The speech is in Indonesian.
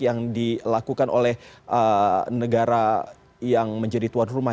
yang dilakukan oleh negara yang menjadi tuan rumah